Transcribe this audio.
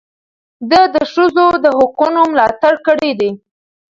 ده د ښځو د حقونو ملاتړ کړی دی.